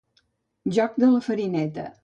Joc de la farineta.